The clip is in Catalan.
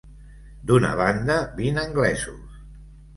D'una banda, vint anglesos.